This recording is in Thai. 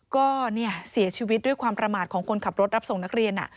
ก็เสียชีวิตด้วยความประมาทของคนขับรถรับส่งนักเรียน